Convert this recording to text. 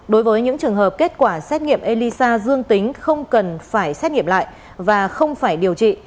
đối với những trường hợp kết quả xét nghiệm elisa dương tính không cần phải xét nghiệm lại và không phải điều trị